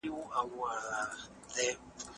زدهکوونکي د ښوونځي له خوا وړاندې سوي فرصتونه کاروي.